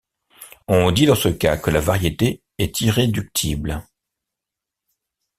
On dit dans ce cas que la variété est irréductible.